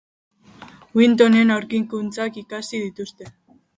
Newtonen aurkikuntzak ikasi dituzte.